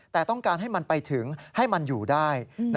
แต่ต้องการให้มันไปถึงให้มันอยู่ได้